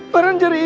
farhan jari ibu